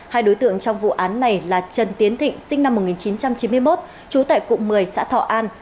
hai đối tượng trong vụ án này là trần tiến thịnh sinh năm một nghìn chín trăm chín mươi một trú tại cụng một mươi xã thọ an